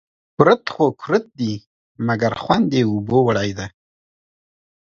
کورت خو کورت دي ، مگر خوند يې اوبو وړى دى